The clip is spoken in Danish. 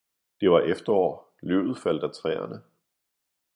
Det var efterår, løvet faldt af træerne.